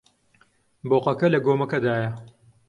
بۆقەکە لە گۆمەکەدایە.